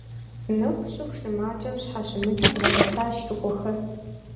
Нэху щыху сымаджэм щхьэщымыкӀыу бгъэдэсащ и къуэхэр.